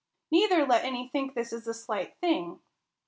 Neither let any think this a slight thing.